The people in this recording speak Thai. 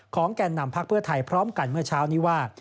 แก่นนำพักเพื่อไทยพร้อมกันเมื่อเช้านี้ว่า